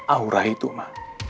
aura itu ma